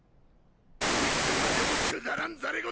いつまでもくだらん戯れ言を！